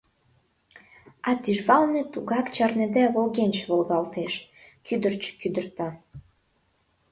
А тӱжвалне тугак чарныде волгенче волгалтеш, кӱдырчӧ кӱдырта.